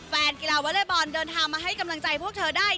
แฟนกีฬาวอเล็กบอลเดินทางมาให้กำลังใจพวกเธอได้